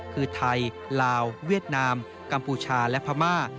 คือไทยลาวเวียดนามกัมพูชาและพม่า